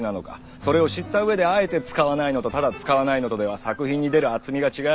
それを知ったうえであえて使わないのとただ使わないのとでは作品に出る「厚み」が違う。